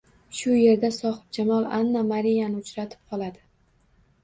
Shu erda sohibjamol Anna-Mariyani uchratib qoladi